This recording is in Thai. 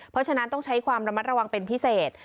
เพราะฉะนั้นต้องใช้ความระมัดระวังเป็นพิเศษ